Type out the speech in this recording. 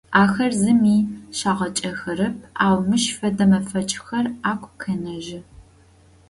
Ахэр зыми щагъакӏэхэрэп, ау мыщ фэдэ мэфэкӏхэр агу къенэжьы.